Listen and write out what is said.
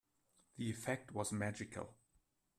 The effect was magical.